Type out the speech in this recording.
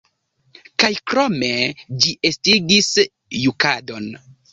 Kaj krome, ĝi estigis jukadon.